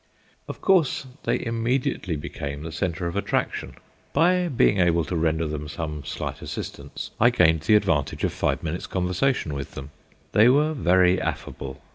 Of course, they immediately became the centre of attraction. By being able to render them some slight assistance, I gained the advantage of five minutes' conversation with them. They were very affable.